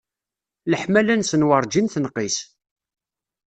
Leḥmala-nsen werǧin tenqis.